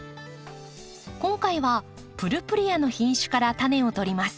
今回はプルプレアの品種からタネをとります。